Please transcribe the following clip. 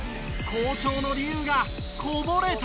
好調の理由がこぼれた！